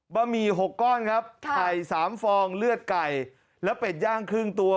หมี่๖ก้อนครับไข่๓ฟองเลือดไก่และเป็ดย่างครึ่งตัว